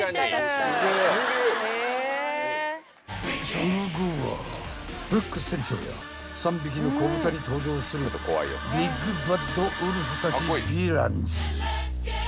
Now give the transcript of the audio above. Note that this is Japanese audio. ［その後はフック船長や『三匹の子ぶた』に登場するビッグ・バッド・ウルフたち］